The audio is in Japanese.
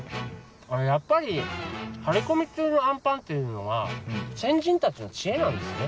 やっぱり張り込み中のあんぱんっていうのは先人たちの知恵なんですね。